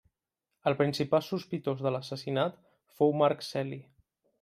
El principal sospitós de l'assassinat fou Marc Celi.